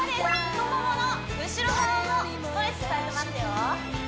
太ももの後ろ側もストレッチされてますよ